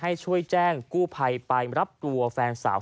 ให้ช่วยแจ้งกู้ภัยไปรับตัวแฟนสาว